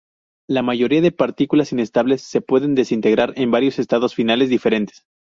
La mayoría de partículas inestables se pueden desintegrar en varios estados finales diferentes.